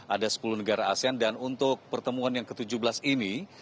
ada sepuluh negara asean dan untuk pertemuan yang ke tujuh belas ini